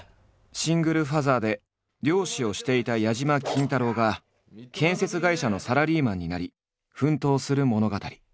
シングルファーザーで漁師をしていた矢島金太郎が建設会社のサラリーマンになり奮闘する物語。